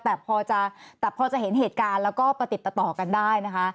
แต่พอจะแต่พอจะเห็นเหตุการณ์แล้วก็ประติดต่อกันได้นะคะ